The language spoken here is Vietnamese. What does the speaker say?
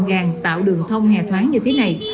vàng tạo đường thông hề thoáng như thế này